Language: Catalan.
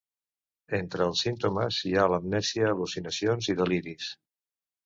Entre els símptomes hi ha l'amnèsia, al·lucinacions i deliris.